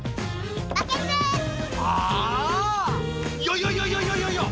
いやいやいやいやいやいやいや！